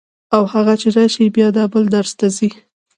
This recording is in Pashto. او هغه چې راشي بیا دا بل درس ته ځي.